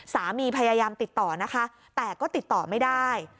พยายามติดต่อนะคะแต่ก็ติดต่อไม่ได้